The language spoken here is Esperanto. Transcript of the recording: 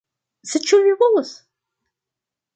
Sed ĉu vi volas?